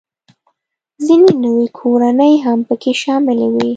ځینې نوې کورنۍ هم پکې شاملې وې